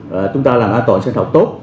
chúng ta làm an toàn sân học tốt